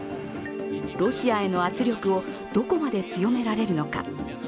ロシアへの圧力をどこまで強められるのか。